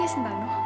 ia sedang menaruh